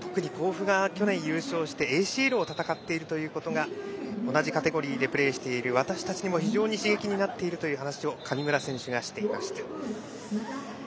特に甲府が去年優勝してＡＣＬを戦っているということが同じカテゴリーでプレーしている私たちにも非常に刺激になっているという話を上村選手がしていました。